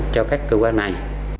cho các cơ quan này